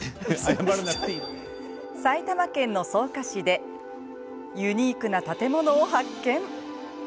埼玉県の草加市でユニークな建物を発見。